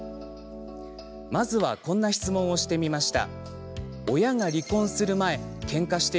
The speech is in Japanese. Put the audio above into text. まずはこんな質問をしてみました。